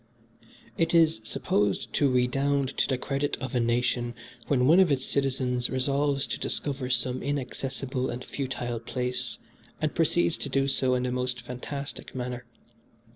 "It is supposed to redound to the credit of a nation when one of its citizens resolves to discover some inaccessible and futile place, and proceeds to do so in the most fantastic manner.